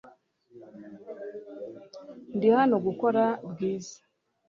Ndi hano gutora Bwiza .